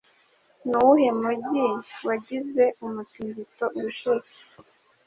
Nuwuhe mujyi wagize umutingito ubushize